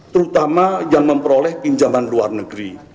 terutama yang memperoleh pinjaman luar negeri